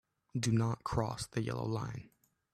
Do not cross the yellow line.